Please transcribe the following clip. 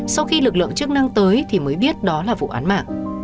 sau khi lực lượng chức năng tới thì mới biết đó là vụ án mạng